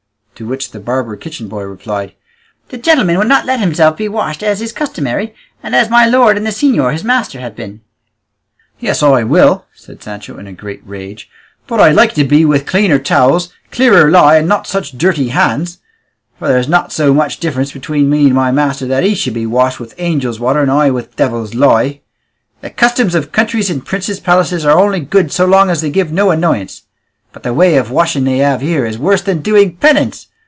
To which the barber kitchen boy replied, "The gentleman will not let himself be washed as is customary, and as my lord and the señor his master have been." "Yes, I will," said Sancho, in a great rage; "but I'd like it to be with cleaner towels, clearer lye, and not such dirty hands; for there's not so much difference between me and my master that he should be washed with angels' water and I with devil's lye. The customs of countries and princes' palaces are only good so long as they give no annoyance; but the way of washing they have here is worse than doing penance.